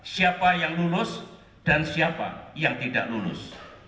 siapa yang lulus dan siapa yang tidak lulus